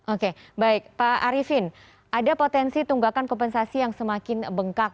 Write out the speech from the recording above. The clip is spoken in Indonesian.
oke baik pak arifin ada potensi tunggakan kompensasi yang semakin bengkak